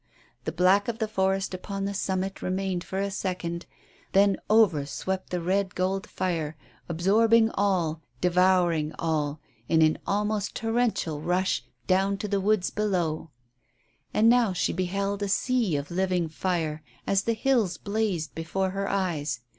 The black of the forest upon the summit remained for a second, then over swept the red gold fire, absorbing all, devouring all, in an almost torrential rush down to the woods below. And now she beheld a sea of living fire as the hills blazed before her eyes.